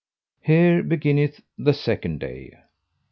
Here beginneth the second day.